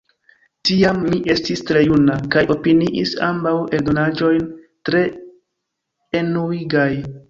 Tiam mi estis tre juna kaj opiniis ambaŭ eldonaĵojn tre enuigaj.